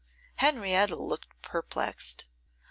Henrietta looked perplexed.